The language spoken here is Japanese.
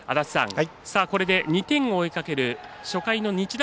これで２点を追いかける初回の日大